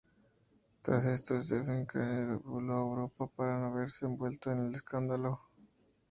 Tras esto, Stephen Crane voló a Europa para no verse envuelto en el escándalo.